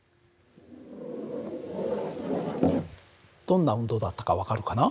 どんな運動だったか分かるかな？